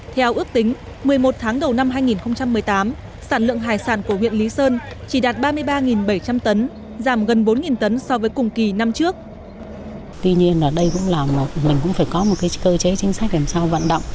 theo ước tính ngư dân không đủ để thay đổi máy móc hiện đại khó vây vốn ngân hàng để đóng tàu công suất lớn